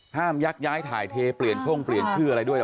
ยักย้ายถ่ายเทเปลี่ยนช่องเปลี่ยนชื่ออะไรด้วย